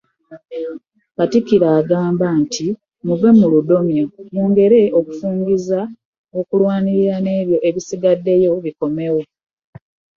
Katikkiro agamba nti muve mu ludomyo, mwongere kufungiza okulwanirira n’ebyo ebikyasigaddeyo bikomewo.